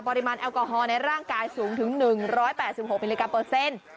แอลกอฮอลในร่างกายสูงถึง๑๘๖มิลลิกรัมเปอร์เซ็นต์